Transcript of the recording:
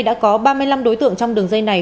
đã có ba mươi năm đối tượng trong đường dây này